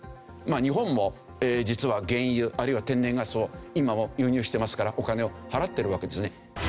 日本も実は原油あるいは天然ガスを今も輸入してますからお金を払ってるわけですね。